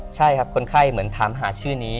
ใช่ครับคนไข้เหมือนถามหาชื่อนี้